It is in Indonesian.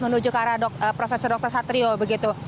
menuju ke arah prof dr satrio begitu